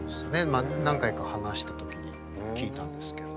まあ何回か話した時に聞いたんですけど。